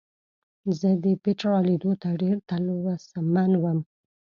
زه د پیترا لیدلو ته ډېر تلوسمن وم.